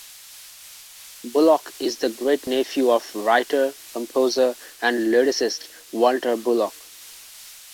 Bullock is the great-nephew of writer, composer, and lyricist Walter Bullock.